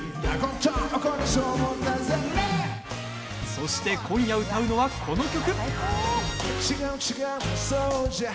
そして、今夜歌うのは、この曲！